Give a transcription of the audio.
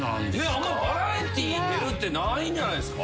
あんまりバラエティー出るってないんじゃないですか？